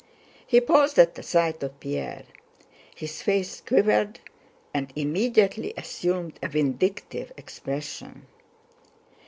He paused at the sight of Pierre. His face quivered and immediately assumed a vindictive expression.